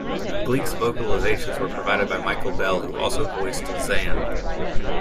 Gleek's vocalizations were provided by Michael Bell who also voiced Zan.